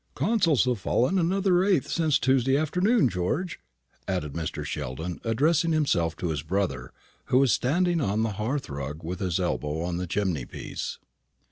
Consols have fallen another eighth since Tuesday afternoon, George," added Mr. Sheldon, addressing himself to his brother, who was standing on the hearth rug, with his elbow on the chimney piece.